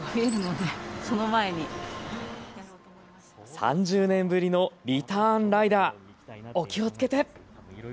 ３０年ぶりのリターンライダー、お気をつけて。